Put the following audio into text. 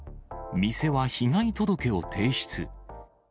店は被害届を提出。